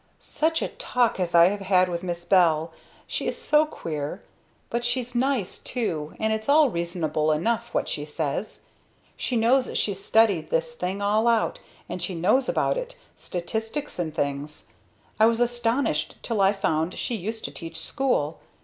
"Such a talk as I have had with Miss Bell! She is so queer! But she's nice too, and it's all reasonable enough, what she says. You know she's studied this thing all out, and she knows about it statistics and things. I was astonished till I found she used to teach school.